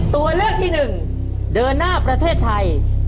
ตัวเลือกที่หนึ่งเดินหน้าประเทศไทย